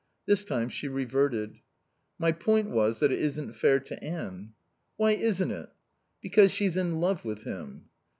This time she reverted. "My point was that it isn't fair to Anne." "Why isn't it?" "Because she's in love with him."